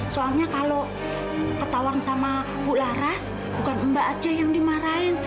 soalnya kalau ketawang sama bu laras bukan mbak aja yang dimarahin